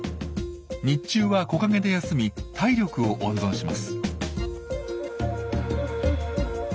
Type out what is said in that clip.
日中は木陰で休み体力を温存します。